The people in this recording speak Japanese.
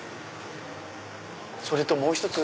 それともう１つ。